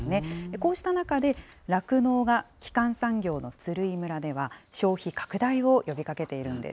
こうした中で、酪農が基幹産業の鶴居村では、消費拡大を呼びかけているんです。